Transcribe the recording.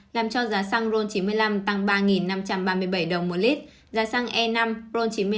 làm cho giá xăng ron chín mươi năm tăng ba năm trăm ba mươi bảy đồng một lít giá xăng e năm ron chín mươi hai